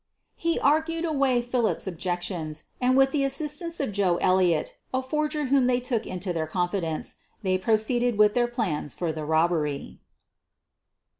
He argued away Philip's objections and with the assist ance of Joe Elliott, a forger whom they took into 50 SOPHIE LYONS their confidence, they proceeded with their plans for the robbery.